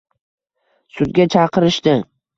Sudga chaqirishdi.